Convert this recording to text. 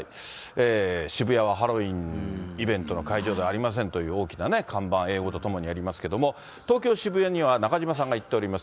渋谷はハロウィーンイベントの会場ではありませんという大きな看板、英語と共にありますけども、東京・渋谷には中島さんが行っております。